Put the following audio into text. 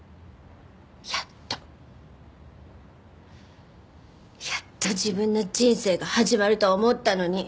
やっとやっと自分の人生が始まると思ったのに。